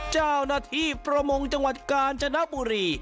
เจ้านทีพระมงจังหวัดกาญจนับบุรี